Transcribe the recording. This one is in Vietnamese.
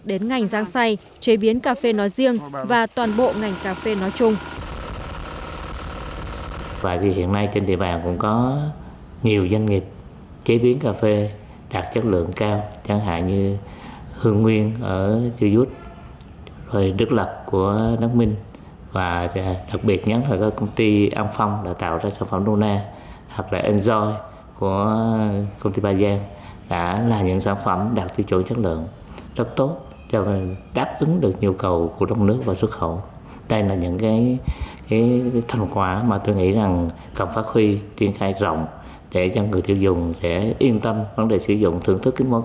đến ngành rang xay chế biến cà phê nói riêng và toàn bộ ngành cà phê nói chung